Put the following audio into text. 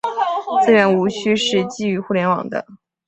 资源无需是基于互联网的。